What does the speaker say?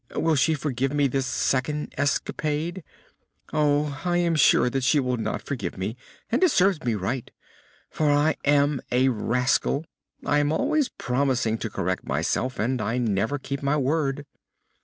Will she forgive me this second escapade? Oh, I am sure that she will not forgive me! And it serves me right, for I am a rascal. I am always promising to correct myself and I never keep my word!"